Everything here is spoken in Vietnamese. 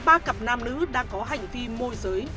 ba cặp nam nữ đang có hành vi môi giới